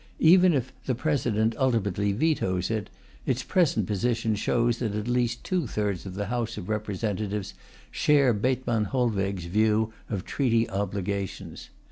Even if the President ultimately vetoes it, its present position shows that at least two thirds of the House of Representatives share Bethmann Hollweg's view of treaty obligations.